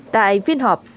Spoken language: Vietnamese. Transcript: tại phiên họp